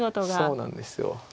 そうなんですよ。